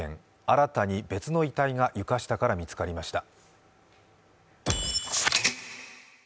新たに別の遺体が床下から見つかりました。